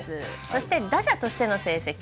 そして打者としての成績。